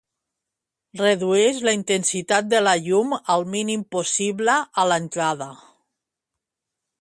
Redueix la intensitat de la llum al mínim possible a l'entrada.